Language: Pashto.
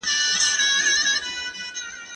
زه اوږده وخت مکتب ته ځم!!